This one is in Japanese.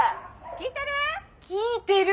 聞いてる！？」。